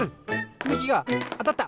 つみきがあたった！